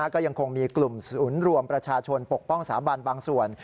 ก็ยังคงมีกลุ่มศูนย์รวมประชาชนปกป้องสาบันบางส่วน